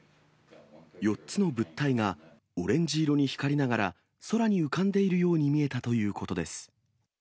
４つの物体がオレンジ色に光りながら、空に浮かんでいるように見えたということです。